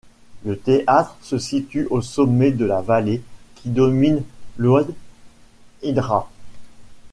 Le théâtre se situe au sommet de la vallée qui domine l'oued Haïdra.